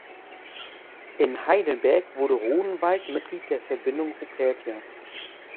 In Heidelberg wurde Rodenwaldt Mitglied der Verbindung Rupertia.